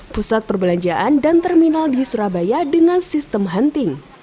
pusat perbelanjaan dan terminal di surabaya dengan sistem hunting